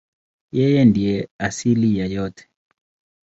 Yeye ndiye asili ya yote.